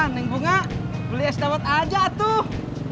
neng bunga beli es dawet aja tuh